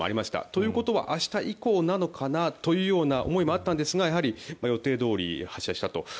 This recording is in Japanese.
ということは、明日以降なのかなというような思いもあったんですがやはり、予定どおり発射したと。